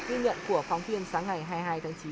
tuy nhiên của phóng viên sáng ngày hai mươi hai tháng chín